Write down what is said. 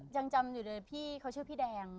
ยังจำอยู่เลยพี่เขาชื่อพี่แดง